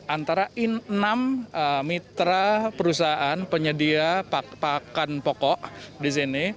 antara enam mitra perusahaan penyedia pakan pokok di sini